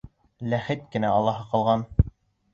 Ләхет кенә алаһы ҡалған.